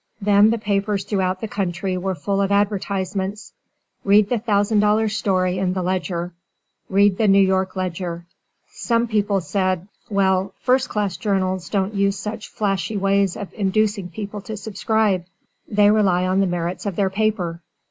Then the papers throughout the country were full of advertisements "Read the Thousand Dollar Story in the Ledger." "Read The New York Ledger" Some people said, "Well, first class journals don't use such flashy ways of inducing people to subscribe; they rely on the merits of their paper."